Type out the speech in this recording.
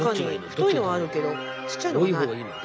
太いのはあるけどちっちゃいのがない。